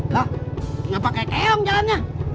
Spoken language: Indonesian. kenapa kayak keong jalannya